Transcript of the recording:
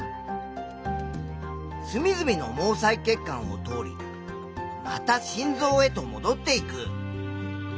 すみずみの毛細血管を通りまた心臓へともどっていく。